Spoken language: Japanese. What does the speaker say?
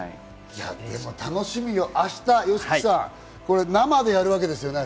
楽しみよ、明日ＹＯＳＨＩＫＩさん、生でやるわけですね。